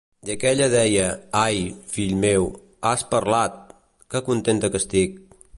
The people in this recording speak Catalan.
I aquella deia: 'Ai, fill meu, has parlat!, que contenta que estic!'